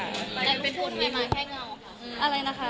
แต่รูปพูดทำไมมาแค่เงาค่ะ